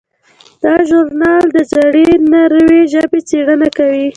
دا ژورنال د زړې ناروېي ژبې څیړنه کوي.